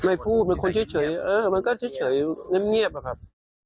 ไม่พูดเป็นคนเฉยเออมันก็เฉยเงียบอะครับ